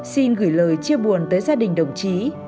xin gửi lời chia buồn tới gia đình đồng chí